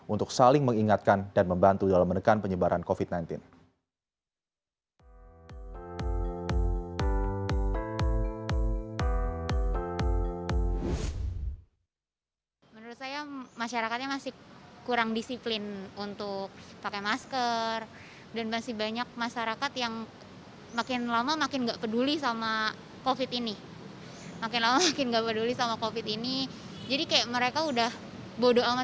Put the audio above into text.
untuk saling mengingatkan dan membantu dalam menekan penyebaran covid sembilan belas